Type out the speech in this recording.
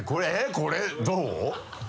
これどう？